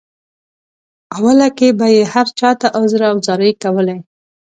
اوله کې به یې هر چاته عذر او زارۍ کولې.